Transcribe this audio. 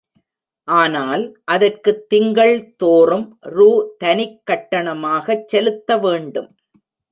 ஆனால், அதற்குத் திங்கள் தோறும் ரூ. தனிக் கட்டணமாகச் செலுத்தவேண்டும்.